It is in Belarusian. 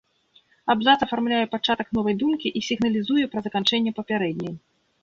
Абзац афармляе пачатак новай думкі і сігналізуе пра заканчэнне папярэдняй.